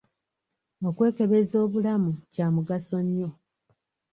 Okwekebeza obulamu Kya mugaso nnyo.